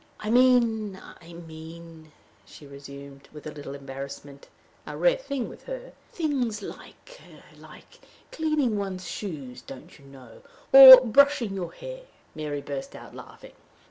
"I mean I mean," she resumed, with a little embarrassment, a rare thing with her, " things like like cleaning one's shoes, don't you know? or brushing your hair." Mary burst out laughing.